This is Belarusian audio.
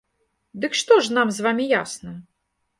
Дык што ж нам з вамі ясна?